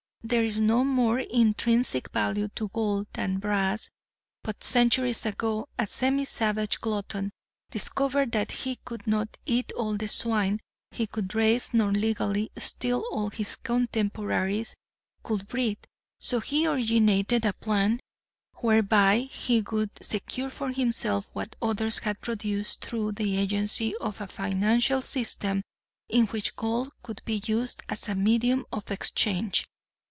There is no more intrinsic value to gold than brass, but centuries ago, a semi savage glutton discovered that he could not eat all the swine he could raise nor legally steal all his contemporaries could breed, so he originated a plan whereby he could secure for himself what others had produced through the agency of a financial system in which gold could be used as a medium of exchange.